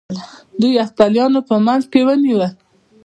دوی یفتلیان په منځ کې ونیول